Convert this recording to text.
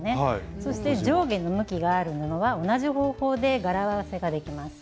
そして上下の向きがある布は同じ方法で柄合わせができます。